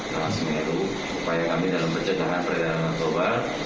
dalam semiru upaya kami dalam perjadangan peredaran narkoba